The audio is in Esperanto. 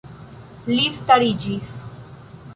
Li stariĝis.